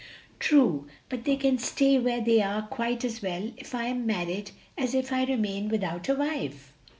"True, but they can stay where they are quite as well if I am married as if I remain without a wife.